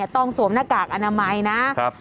ต้องสวมหน้ากากอนามัยนะ